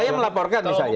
saya melaporkan misalnya